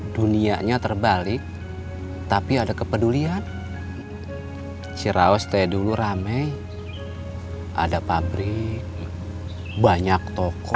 dunianya terbalik tapi ada kepedulian cirawas kayak dulu rame ada pabrik banyak toko